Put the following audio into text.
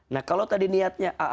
nah kalau tadi niatnya